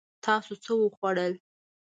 تاسو څه وخوړل؟